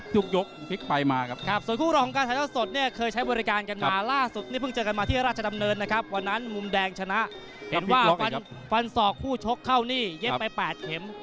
ถกเข้านี่เย็บไป๘เข็ม